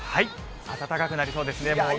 暖かくなりそうですね。